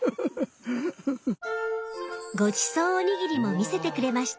ごちそうおにぎりも見せてくれました。